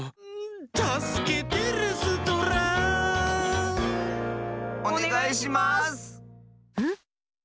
「たすけてレストラン」おねがいします！